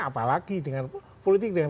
apalagi dengan politik dengan